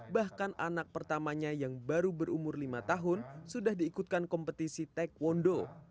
bahkan anak pertamanya yang baru berumur lima tahun sudah diikutkan kompetisi taekwondo